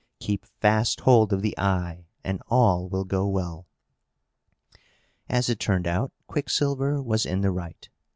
Keep fast hold of the eye, and all will go well." As it turned out, Quicksilver was in the right.